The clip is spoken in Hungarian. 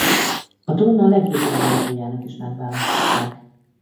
A torna legjobb irányítójának is megválasztották.